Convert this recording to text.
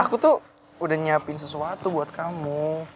aku tuh udah nyiapin sesuatu buat kamu